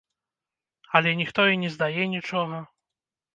Але ніхто і не здае нічога.